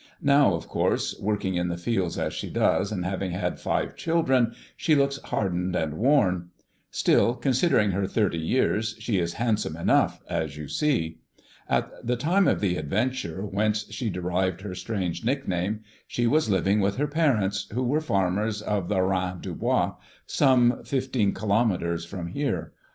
Now, of course, working in the fields as she does, and having had five children, she looks hardened and worn. Still, considering her thirty years, she is handsome enough, as you see. At the time of the adventure whence she derived her strange nickname she was living with her parents, who were farmers of the Rein du Bois, some fifteen kilometres from here.